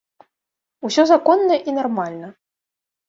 Усё законна і нармальна.